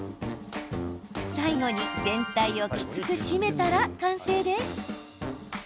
最後に全体をきつく締めたら完成です。